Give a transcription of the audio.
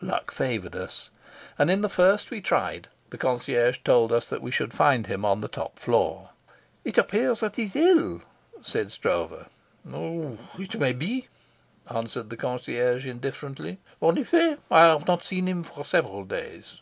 Luck favoured us, and in the first we tried the concierge told us that we should find him on the top floor. "It appears that he's ill," said Stroeve. "It may be," answered the concierge indifferently. ", I have not seen him for several days."